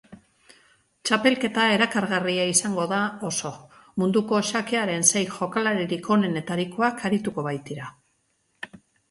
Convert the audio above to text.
Txapelketa erakargarria izango da oso, munduko xakearen sei jokalaririk onentarikoak arituko baitira.